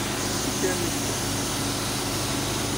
Amek armi ay ak-kellxent?